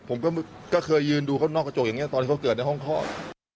ผมก็เคยยืนดูเขานอกกระจกอย่างนี้ตอนที่เขาเกิดในห้องคลอด